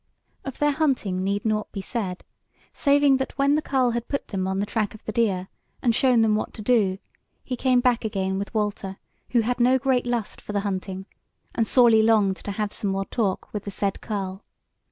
Of their hunting need nought be said, saving that when the carle had put them on the track of the deer and shown them what to do, he came back again with Walter, who had no great lust for the hunting, and sorely longed to have some more talk with the said carle.